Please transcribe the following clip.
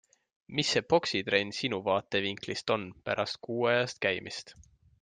Mis see poksitrenn sinu vaatevinklist on pärast kuuajast käimist?